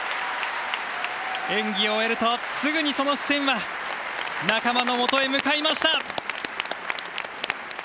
演技を終えると、すぐにその視線は、仲間のもとへ向かいました。